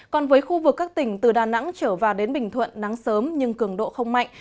còn với khu vực các tỉnh từ đà nẵng trở vào đến bình thuận nắng sớm nhưng cường độ không mạnh